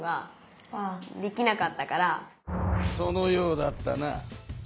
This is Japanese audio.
そのようだったな。